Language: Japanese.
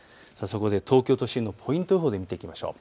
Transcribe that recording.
東京都心のポイント予報を見ていきましょう。